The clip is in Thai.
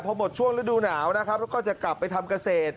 พอหมดช่วงฤดูหนาวนะครับแล้วก็จะกลับไปทำเกษตร